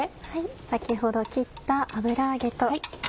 先ほど切った油揚げと。